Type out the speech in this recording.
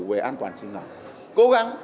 về an toàn sinh học cố gắng